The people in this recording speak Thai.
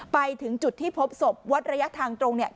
ไปถึงจุดที่พบศพวัดระยะทางตรงเนี่ย